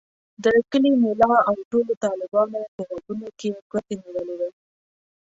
د کلي ملا او ټولو طالبانو په غوږونو کې ګوتې نیولې وې.